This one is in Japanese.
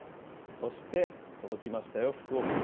そして届きましたよ、福岡に。